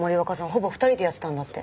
ほぼ２人でやってたんだって。